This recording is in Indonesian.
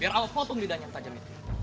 biar awal foto bidanya tajam itu